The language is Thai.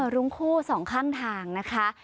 รุ้งคู่สองข้างทางนะคะ